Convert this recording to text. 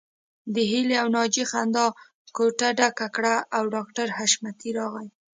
د هيلې او ناجيې خندا کوټه ډکه کړه او ډاکټر حشمتي راغی